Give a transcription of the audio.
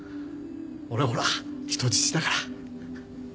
俺ほら人質だから。